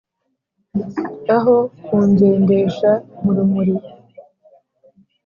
aho kungendesha mu rumuri.